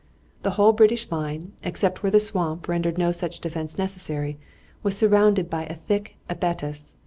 The whole British line, except where the swamp rendered no such defense necessary, was surrounded by a thick abattis.